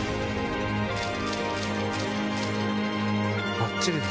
ばっちりだ。